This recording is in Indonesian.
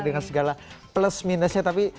dengan segala plus minusnya tapi